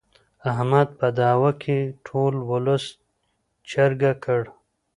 احمد په دعوه کې ټول ولس چرګه کړ.